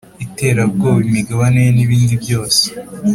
iterabwoba imigabane ye n ibindi byose